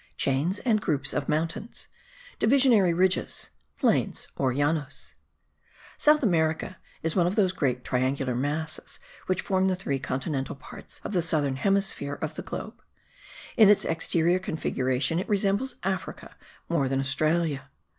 Chains and Groups of Mountains. Divisionary Ridges. Plains or Llanos. South America is one of those great triangular masses which form the three continental parts of the southern hemisphere of the globe. In its exterior configuration it resembles Africa more than Australia.